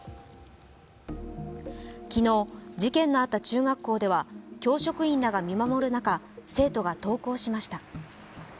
昨日、事件のあった中学校では教職員らが見守る中、生徒が登校しました。